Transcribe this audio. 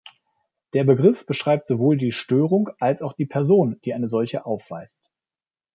Der Begriff beschreibt sowohl die Störung als auch die Person, die eine solche aufweist.